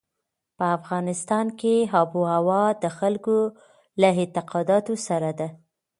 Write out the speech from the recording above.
په افغانستان کې آب وهوا د خلکو له اعتقاداتو سره ده.